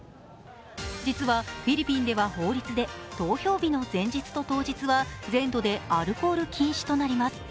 実は、フィリピンでは法律で投票日の前日と当日は全土でアルコール禁止となります。